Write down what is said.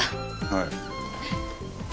はい。